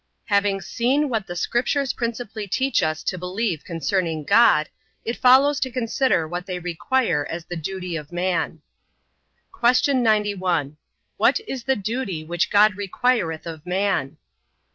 HAVING SEEN WHAT THE SCRIPTURES PRINCIPALLY TEACH US TO BELIEVE CONCERNING GOD, IT FOLLOWS TO CONSIDER WHAT THEY REQUIRE AS THE DUTY OF MAN Q. 91. What is the duty which God requireth of man?